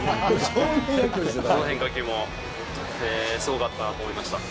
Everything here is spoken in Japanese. どの変化球もすごかったと思いました。